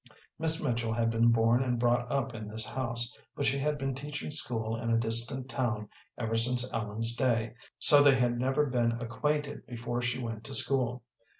Miss Mitchell had been born and brought up in this house, but she had been teaching school in a distant town ever since Ellen's day, so they had never been acquainted before she went to school.